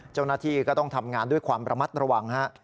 เจ้าหน้าที่ก็ต้องทำงานด้วยความระมัดระวังฮะ